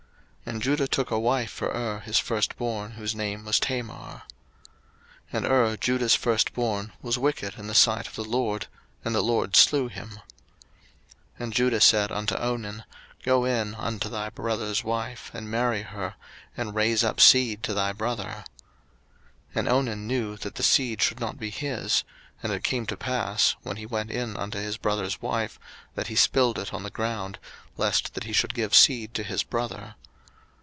01:038:006 And Judah took a wife for Er his firstborn, whose name was Tamar. 01:038:007 And Er, Judah's firstborn, was wicked in the sight of the LORD; and the LORD slew him. 01:038:008 And Judah said unto Onan, Go in unto thy brother's wife, and marry her, and raise up seed to thy brother. 01:038:009 And Onan knew that the seed should not be his; and it came to pass, when he went in unto his brother's wife, that he spilled it on the ground, lest that he should give seed to his brother.